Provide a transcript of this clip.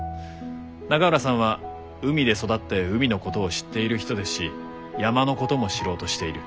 永浦さんは海で育って海のことを知っている人ですし山のことも知ろうとしている。